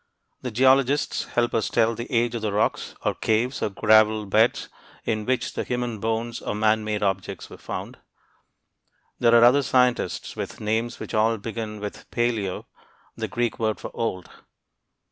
The geologists help us tell the age of the rocks or caves or gravel beds in which human bones or man made objects are found. There are other scientists with names which all begin with "paleo" (the Greek word for "old").